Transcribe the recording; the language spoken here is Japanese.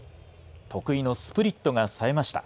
得意のスプリットがさえました。